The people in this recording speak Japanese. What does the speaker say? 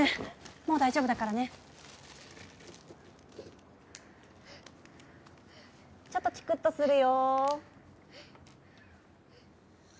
もう大丈夫だからねちょっとチクッとするよ